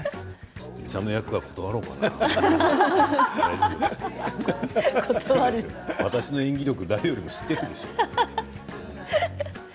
断ろうかな、私の演技力誰よりも知っているでしょう？